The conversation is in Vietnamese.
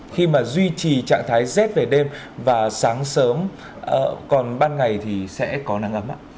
khi mà duy trì trạng thái rét về đêm và sáng sớm còn ban ngày thì sẽ có nắng ấm ạ